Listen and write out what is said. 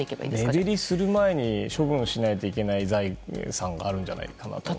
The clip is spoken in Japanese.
目減りする前に処分しないといけない資産があるんじゃないかなと。